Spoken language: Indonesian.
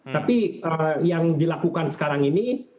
tapi yang dilakukan sekarang ini